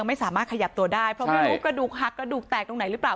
ไม่สามารถขยับตัวได้เพราะไม่รู้กระดูกหักกระดูกแตกตรงไหนหรือเปล่า